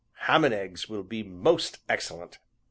"Ham and eggs will be most excellent!"